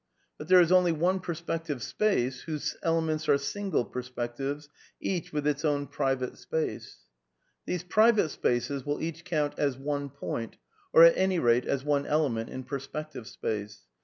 .•• But there is only one iierspective space, whose elements are single perspectives, each with its own private space. •••^ These private spaces will each count as one pointy or at any rate as one element, in ];)er8pective space.